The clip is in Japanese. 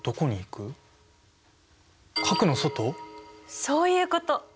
そういうこと！